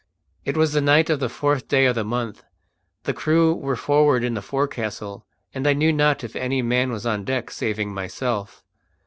It was the night of the fourth day of the month. The crew were forward in the forecastle, and I knew not if any man was on deck saving myself.